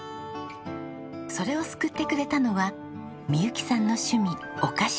それを救ってくれたのは未佑紀さんの趣味お菓子作り。